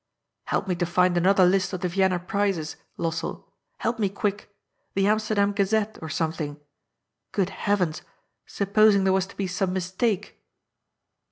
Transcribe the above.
^' Help me to find an other list of the Vienna prizes, Lossell. Help me quick. The Amsterdam Oazette or something! Good heavens, supposing there was to be some mistake."